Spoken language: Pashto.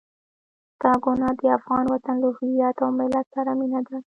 ستا ګناه د افغان وطن له هويت او ملت سره مينه ده.